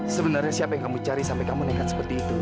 sebenarnya siapa yang kamu cari sampai kamu nekat seperti itu